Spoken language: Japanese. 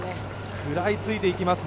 くらついていきますね。